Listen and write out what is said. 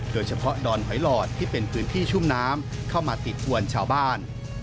โดยเฉพาะดอนหอยหลอดที่เป็นพื้นที่ชุ่มน้ำเข้ามาติดทวนชาวบ้าน